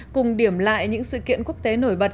cùng điểm lại những sự kiện quốc tế nổi bật